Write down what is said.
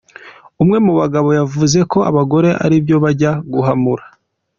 Umwe mu bagabo yavuze ko abagore aribo bajya guhamura.